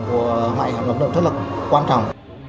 của máy lọc nước biển rất là quan trọng